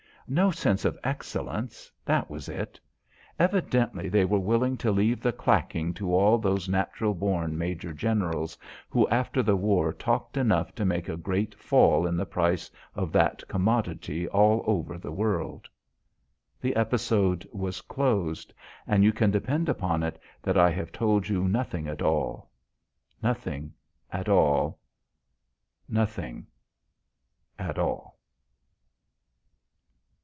No sense of excellence that was it. Evidently they were willing to leave the clacking to all those natural born major generals who after the war talked enough to make a great fall in the price of that commodity all over the world. The episode was closed. And you can depend upon it that I have told you nothing at all, nothing at all, nothing at all.